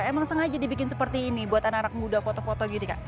emang sengaja dibikin seperti ini buat anak anak muda foto foto gini kak